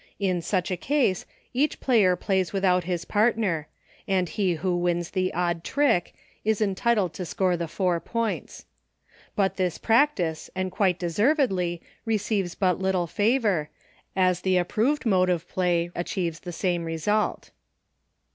In such PLAYING ALONE. 47 a case, each player plays without his partner, and he who wins the odd trick, is entitled to score the four points. But this practice, and quite deservedly, receives but little favor, as the approved mode of play achieves the same result.